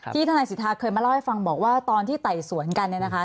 ทนายสิทธาเคยมาเล่าให้ฟังบอกว่าตอนที่ไต่สวนกันเนี่ยนะคะ